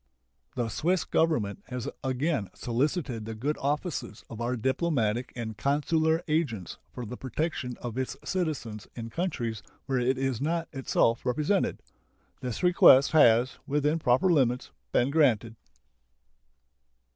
The Swiss Government has again solicited the good offices of our diplomatic and consular agents for the protection of its citizens in countries where it is not itself represented. This request has, within proper limits, been granted.